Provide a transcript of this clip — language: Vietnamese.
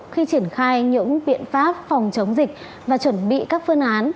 khi triển khai những biện pháp phòng chống dịch và chuẩn bị các phương án